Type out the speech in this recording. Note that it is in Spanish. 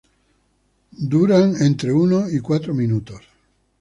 Duran entre uno y cuatro minutos.